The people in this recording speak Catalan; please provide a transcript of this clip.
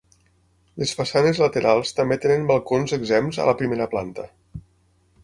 Les façanes laterals també tenen balcons exempts a la primera planta.